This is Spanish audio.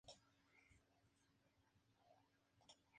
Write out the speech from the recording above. La cala está dividida en dos partes por una punta de roca.